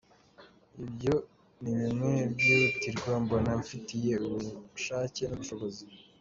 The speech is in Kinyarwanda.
Ibyo ni bimwe byihutirwa mbona mfitiye ubushake n’ubushobozi.